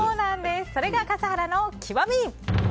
それが笠原の極み。